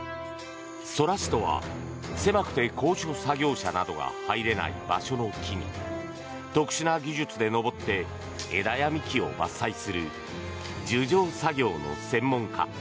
空師とは狭くて高所作業車などが入れない場所の木に特殊な技術で登って枝や幹を伐採する樹上作業の専門家。